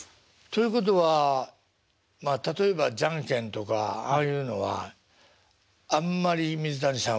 ということはまあ例えばじゃんけんとかああいうのはあんまり水谷さんは負けたことはないんですか？